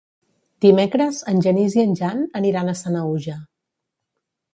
Dimecres en Genís i en Jan aniran a Sanaüja.